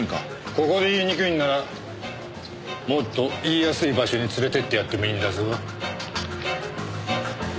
ここで言いにくいんならもっと言いやすい場所に連れてってやってもいいんだぞ。